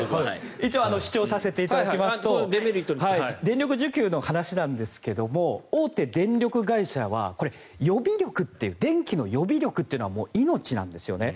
一応主張させていただきますと電力需給の話なんですが大手電力会社は電気の予備力というのは命なんですよね。